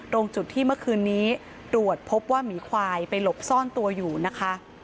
ตรงจุดที่เมื่อคืนนี้ตรวจพบว่าหมีควายไปหลบซ่อนตัวอยู่นะคะ